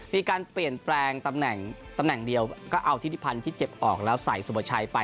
มีการเปลี่ยนแปลงตำแหน่งตำแหน่งเดียวก็เอาทิศิพันธ์ที่เจ็บออกแล้วใส่สุประชัยไป